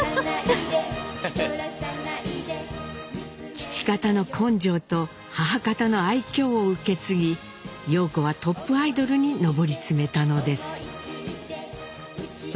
父方の根性と母方の愛きょうを受け継ぎ陽子はトップアイドルに上り詰めたのです。